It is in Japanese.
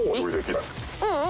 ううん。